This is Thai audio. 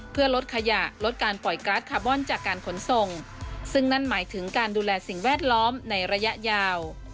เพื่อลดขยะลดการปล่อยกราดคาร์บอนจากการขนส่งซึ่งนั่นหมายถึงการดูแลสิ่งแวดล้อมในระยะยาว